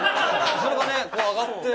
それがねこう上がって。